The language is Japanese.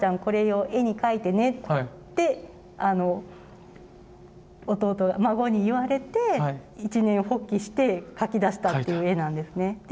これを絵に描いてね」って孫に言われて一念発起して描きだしたっていう絵なんですね。